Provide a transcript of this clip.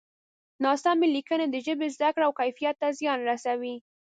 ناسمې لیکنې د ژبې زده کړه او کیفیت ته زیان رسوي.